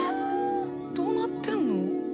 どうなってんの？